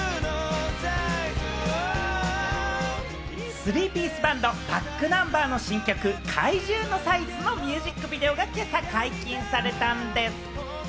スリーピースバンド・ｂａｃｋｎｕｍｂｅｒの新曲『怪獣のサイズ』のミュージックビデオが今朝、解禁されたんでぃす。